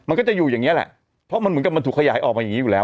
มันก็จะอยู่อย่างเงี้แหละเพราะมันเหมือนกับมันถูกขยายออกมาอย่างนี้อยู่แล้ว